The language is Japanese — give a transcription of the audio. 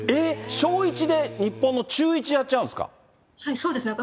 小１で日本の中１やっちゃうんですか。